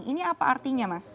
ini apa artinya mas